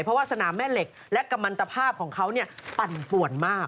เพราะว่าสนามแม่เหล็กและกำมันตภาพของเขาปั่นป่วนมาก